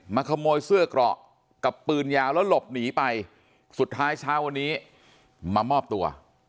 ขโมยเสื้อเกราะกับปืนยาวแล้วหลบหนีไปสุดท้ายเช้าวันนี้มามอบตัว